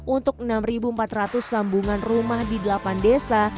untuk enam empat ratus sambungan rumah di delapan desa